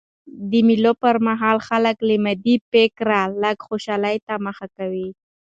د مېلو پر مهال خلک له مادي فکره لږ خوشحالۍ ته مخه کوي.